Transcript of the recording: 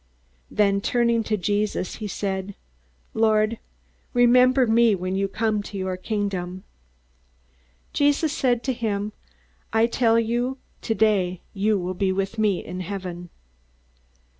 Then, turning to Jesus, he said, "Lord, remember me when you come to your Kingdom." Jesus said to him, "I tell you, today you will be with me in heaven."